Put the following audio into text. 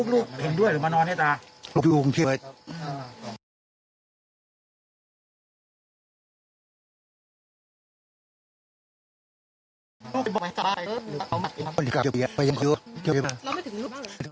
เราไม่ถึงนี่บ้างหรือ